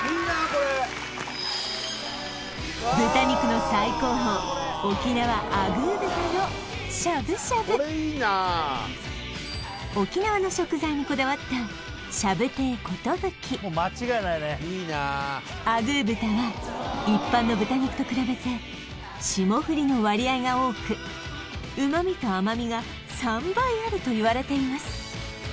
これ豚肉の最高峰沖縄沖縄の食材にこだわったあぐー豚は一般の豚肉と比べて霜降りの割合が多く旨みと甘みが３倍あるといわれています